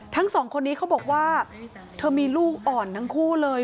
ทั้งสองคนนี้เขาบอกว่าเธอมีลูกอ่อนทั้งคู่เลย